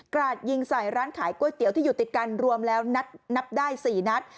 ราดยิงใส่ร้านขายก๋วยเตี๋ยวที่อยู่ติดกันรวมแล้วนับได้๔นัด